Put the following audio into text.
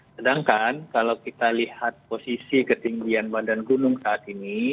sedangkan kalau kita lihat posisi ketinggian badan gunung saat ini